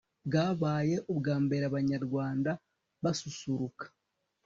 bwabaye ubwa mbere abanyarwanda basusuruka